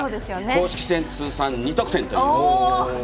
公式戦、通算２得点という。